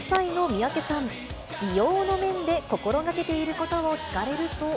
美容の面で心がけていることを聞かれると。